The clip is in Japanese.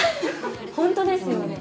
本当ですよね。